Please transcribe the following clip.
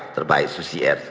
terbaik susi air